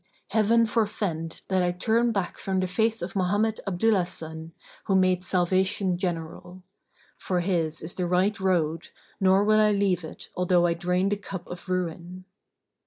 Heaven forfend that I turn back from the faith of Mohammed Abdullah son who made salvation general; for his is the Right Road nor will I leave it although I drain the cup of ruin."